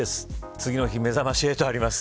次の日、めざまし８あります。